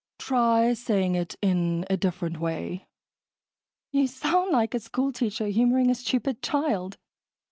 "Try saying it in a different way." "You sound like a school teacher humoring a stupid child."